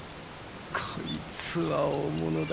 こいつは大物だ。